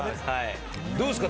どうですか？